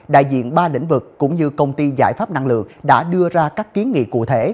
đại diện ba lĩnh vực cũng như công ty giải pháp năng lượng đã đưa ra các kiến nghị cụ thể